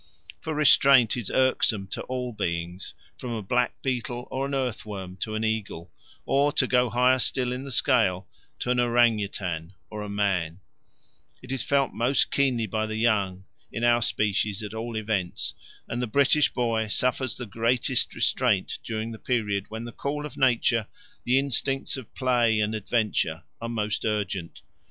For restraint is irksome to all beings, from a black beetle or an earthworm to an eagle, or, to go higher still in the scale, to an orang u tan or a man; it is felt most keenly by the young, in our species at all events, and the British boy suffers the greatest restraint during the period when the call of nature, the instincts of play and adventure, are most urgent.